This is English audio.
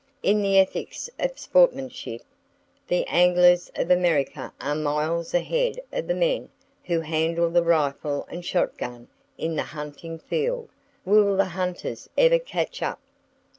In the ethics of sportsmanship, the anglers of America are miles ahead of the men who handle the rifle and shot gun in the hunting field. Will the hunters ever catch up?